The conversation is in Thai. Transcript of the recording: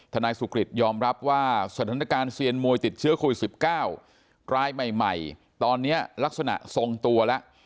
นายสุกริตยอมรับว่าสถานการณ์เซียนมวยติดเชื้อโควิด๑๙รายใหม่ตอนนี้ลักษณะทรงตัวแล้ว